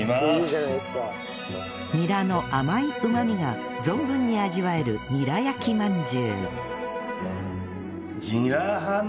ニラの甘いうまみが存分に味わえるニラ焼き饅頭